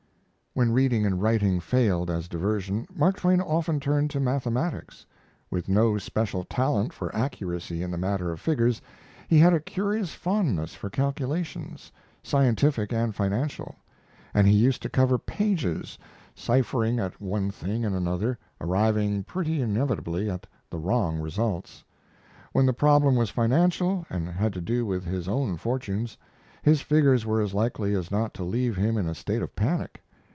When reading and writing failed as diversion, Mark Twain often turned to mathematics. With no special talent for accuracy in the matter of figures, he had a curious fondness for calculations, scientific and financial, and he used to cover pages, ciphering at one thing and another, arriving pretty inevitably at the wrong results. When the problem was financial, and had to do with his own fortunes, his figures were as likely as not to leave him in a state of panic.